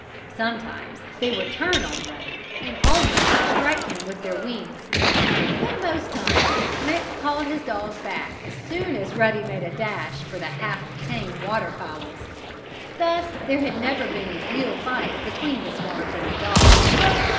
Sometimes they would turn on Ruddy, and almost strike him with their wings. But most times Rick called his dog back as soon as Ruddy made a dash for the half tame water fowls. Thus there never had been a real fight between the swans and the dog.